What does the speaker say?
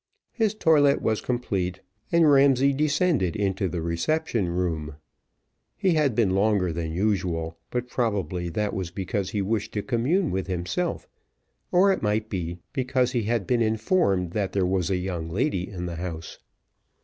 His toilet was complete, and Ramsay descended into the reception room: he had been longer than usual, but probably that was because he wished to commune with himself; or it might be, because he had been informed that there was a young lady in the house.